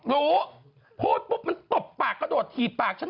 รู้พูดปุ๊บมันตบปากก็โดดถีดปาก